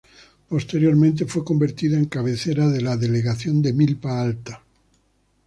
Posteriormente fue convertida en cabecera de la delegación de Milpa Alta.